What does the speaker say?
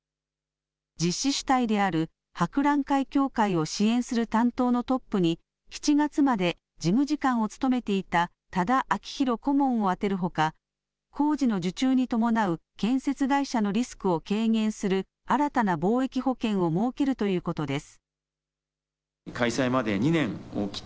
実施主体である博覧会協会を支援する担当のトップに７月まで事務次官を務めていた多田明弘顧問を充てるほか工事の受注に伴う建設会社のリスクを軽減する新たな貿易保険を設けるということです。